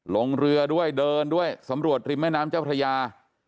ลงเรือด้วยเดินด้วยสำรวจริมแม่น้ำเจ้าพระยา